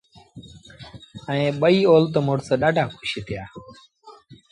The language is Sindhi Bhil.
ائيٚݩ ٻئيٚ اولت مڙس ڏآڍآ کُش ٿيٚآ۔